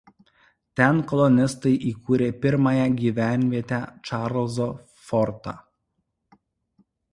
Ten kolonistai įkūrė pirmąją gyvenvietę Čarlzo fortą.